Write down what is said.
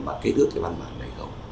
và cái đứa cái văn bản này không